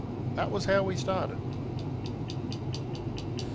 That was how we started.